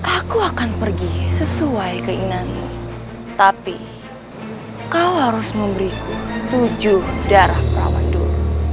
aku akan pergi sesuai keinginanmu tapi kau harus memberiku tujuh darah rawan du